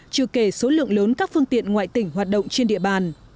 trừ kể số lượng lớn các phương tiện ngoại tỉnh hoạt động trên địa bàn